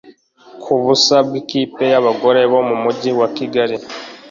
kuubusa bw’ikipe y’abagore bo mu mujyi wa kigali